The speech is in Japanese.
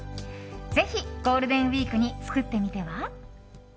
ぜひゴールデンウィークに作ってみては？